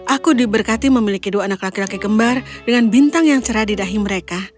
aku diberkati memiliki dua anak laki laki kembar dengan bintang yang cerah di dahi mereka